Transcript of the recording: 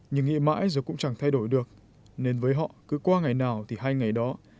nhưng nghĩ mãi rồi cũng chẳng thay đổi được nên với họ cứ qua ngày nào thì hai ngày đó